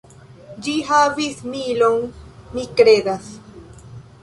Ĝi havis milon, mi kredas.